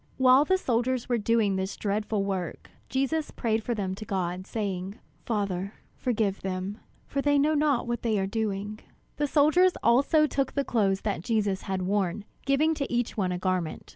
While the soldiers were doing this dreadful work, Jesus prayed for them to God, saying: "Father, forgive them; for they know not what they are doing." The soldiers also took the clothes that Jesus had worn, giving to each one a garment.